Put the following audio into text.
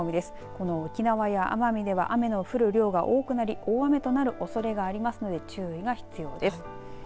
この沖縄や奄美では雨の降る量が多くなり大雨となるおそれがありますので注意が必要です。